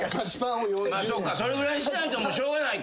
それぐらいにしないとしょうがないか。